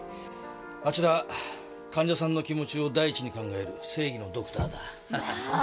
あちら患者さんの気持ちを第一に考える正義のドクターだ